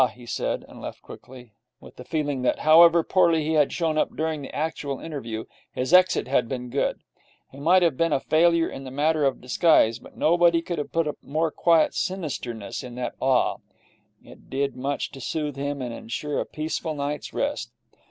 he said, and left quickly, with the feeling that, however poorly he had shown up during the actual interview, his exit had been good. He might have been a failure in the matter of disguise, but nobody could have put more quiet sinister ness into that 'Ah!' It did much to soothe him and ensure a peaceful night's rest.